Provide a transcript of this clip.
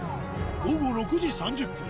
午後６時３０分。